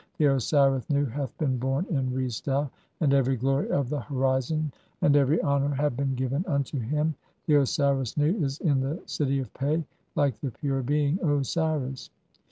The Osiris "Nu hath been born in Re stau, (3) and every glory of the ho "rizon [and] every honour have been given unto him. The "Osiris Nu is in the city of Pe like the pure being (?) Osiris.